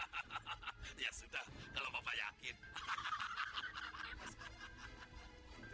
hahaha ya sudah kalau bapak yakin hahaha